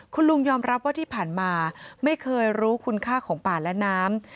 คุณลุงยอมรับว่าที่ผ่านมาไม่เคยรู้คุณค่าของป่าและน้ำ